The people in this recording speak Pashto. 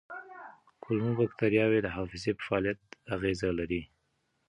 کولمو بکتریاوې د حافظې په فعالیت اغېز لري.